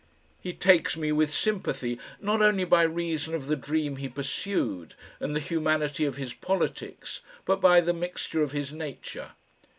He takes me with sympathy not only by reason of the dream he pursued and the humanity of his politics, but by the mixture of his nature.